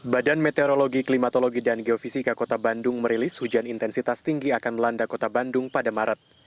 badan meteorologi klimatologi dan geofisika kota bandung merilis hujan intensitas tinggi akan melanda kota bandung pada maret